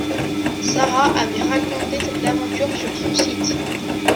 Sara avait raconté cette aventure sur son site